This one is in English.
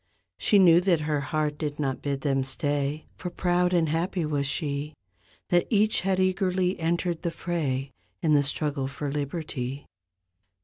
She knew that her heart did not bid them stay For proud and happy was she, That each had eagerly entered the fray In the struggle for liberty.